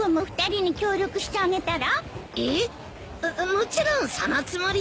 もちろんそのつもりだよ。